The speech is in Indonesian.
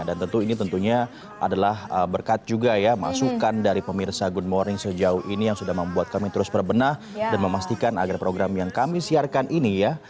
dan tentu ini tentunya adalah berkat juga ya masukan dari pemirsa good morning sejauh ini yang sudah membuat kami terus berbenah dan memastikan agar program yang kami siarkan ini ya